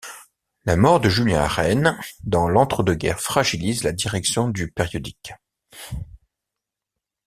La mort de Julien Arène dans l'entre-deux-guerres fragilise la direction du périodique.